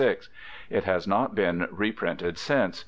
It has not been reprinted since.